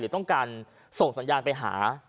ต้องการส่งสัญญาณไปหา